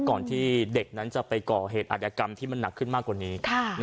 ก่อนที่เด็กนั้นจะไปก่อเหตุอัธยกรรมที่มันหนักขึ้นมากกว่านี้